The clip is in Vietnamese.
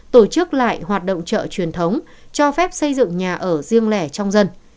tổ chức lại hoạt động chợ truyền thống cho phép xây dựng nhà ở riêng lẻ trong dân